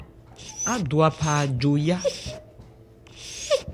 Ádwa pha ajo yá.